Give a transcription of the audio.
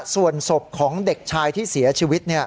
ส่วนศพของเด็กชายที่เสียชีวิต